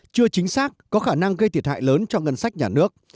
chưa chính xác có khả năng gây thiệt hại lớn cho ngân sách nhà nước